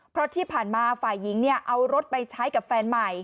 เพราะที่ผ่านมาฝ่ายหญิงเอารถไปใช้กับแฟนใหม่